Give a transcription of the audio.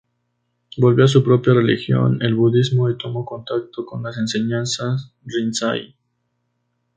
Volvió a su propia religión, el budismo y tomó contacto con las enseñanzas Rinzai.